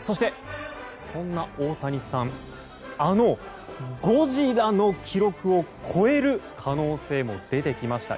そして、そんな大谷さんあのゴジラの記録を超える可能性も出てきました。